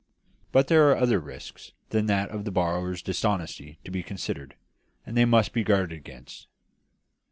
But there are other risks than that of the borrower's dishonesty to be considered, and they must be guarded against.